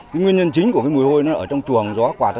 không có sự xuất hiện của chủ trang trại heo